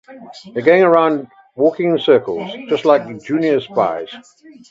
They're going around, walking in circles, just like junior spies.